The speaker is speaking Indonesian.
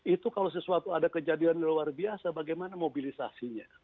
itu kalau sesuatu ada kejadian yang luar biasa bagaimana mobilisasinya